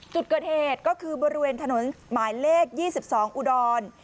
จุดเกิดเหตุก็คือบริเวณถนนหมายเลข๒๒อุดร